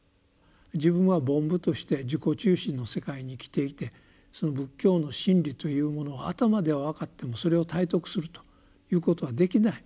自分は凡夫として自己中心の世界に生きていてその仏教の真理というものを頭では分かってもそれを体得するということはできない。